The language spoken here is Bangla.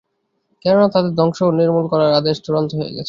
কেননা, তাদের ধ্বংস ও নির্মূল করার আদেশ চূড়ান্ত হয়ে গেছে।